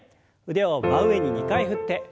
腕を真上に２回振って。